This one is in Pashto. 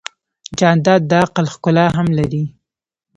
جانداد د عقل ښکلا هم لري.